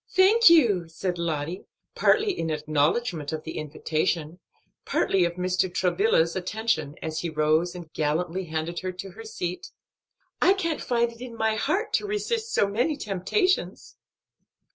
"Thank you," said Lottie, partly in acknowledgment of the invitation, partly of Mr. Travilla's attention, as he rose and gallantly handed her to her seat, "I can't find it in my heart to resist so many temptations."